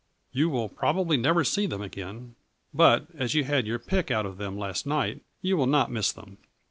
You will probably never see them again, but, as you had your pick out of them last night, you will not miss them.